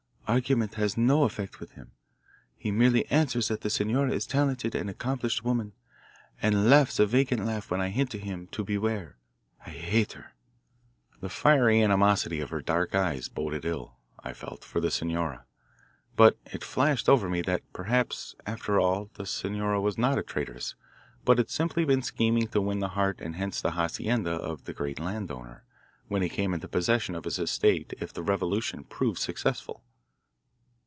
Argument has no effect with him. He merely answers that the senora is a talented and accomplished woman, and laughs a vacant laugh when I hint to him to beware. I hate her." The fiery animosity of her dark eyes boded ill, I felt, for the senora. But it flashed over me that perhaps, after all, the senora was not a traitress, but had simply been scheming to win the heart and hence the hacienda of the great land owner, when he came into possession of his estate if the revolution proved successful.